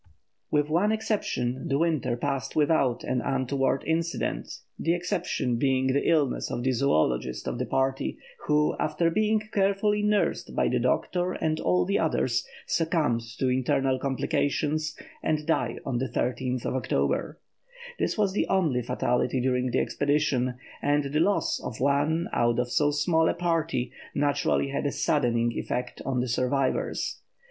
_] With one exception the winter passed without an untoward incident, the exception being the illness of the zoologist of the party, who, after being carefully nursed by the doctor and all the others, succumbed to internal complications and died on October 13. This was the only fatality during the expedition, and the loss of one out of so small a party naturally had a saddening effect on the survivors.